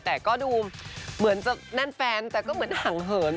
แต่ก็ดูเหมือนจะแน่นแฟนแต่ก็เหมือนห่างเหิน